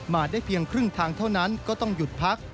มาได้เพียงครึ่งทางเท่านั้นก็ต้องหยุดพัก